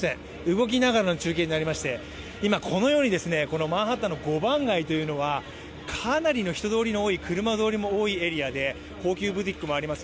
動きながらの中継になりまして今、このようにマンハッタンの５番街というのはかなりの人通りの多い、車通りも多いエリアで高級ブティックもあります